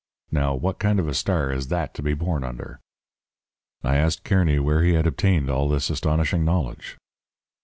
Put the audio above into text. Now, what kind of a star is that to be born under?' "I asked Kearny where he had obtained all this astonishing knowledge.